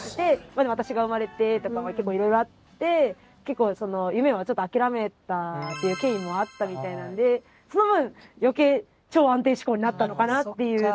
まあでも私が生まれてとかも結構いろいろあって夢をちょっと諦めたっていう経緯もあったみたいなんでその分余計超安定志向になったのかなっていうのも。